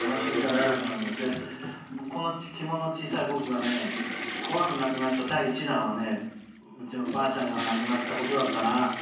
この肝の小さい僕が怖くなくなった第１弾はうちのばあちゃんが亡くなったことだったな。